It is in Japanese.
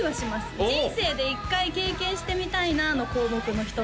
おお人生で１回経験してみたいなの項目の一つです